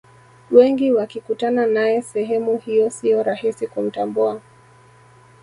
wengi wakikutana nae sehemu hiyo siyo rahisi kumtambua